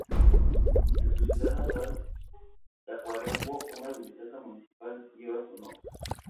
En su ciudad natal, Tacuarembó una Biblioteca Municipal lleva su nombre.